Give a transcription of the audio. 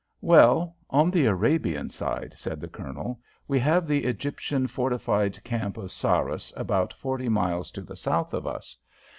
"Well, on the Arabian side," said the Colonel, "we have the Egyptian fortified camp of Sarras about forty miles to the south of us.